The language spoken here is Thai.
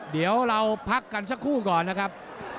เดี๋ยวเราพักกันสักครู่ก่อนนะครับ